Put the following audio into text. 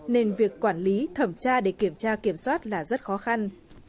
nên việc quản lý thẩm tra để kiểm tra kiểm soát là rất khó khăn